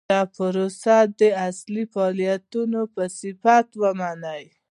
دا پروسه د اصلي فعالیتونو په صفت ومني.